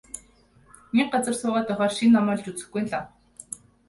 Нэг газар суугаад байхаар шинэ юм олж үзэхгүй нь лав.